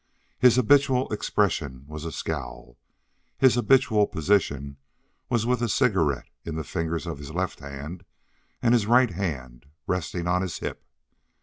His habitual expression was a scowl; his habitual position was with a cigarette in the fingers of his left hand, and his right hand resting on his hip.